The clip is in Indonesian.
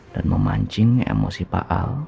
dan memancing emosi paal